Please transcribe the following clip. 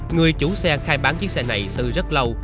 người chủ xe khai bán chiếc xe này từ rất lâu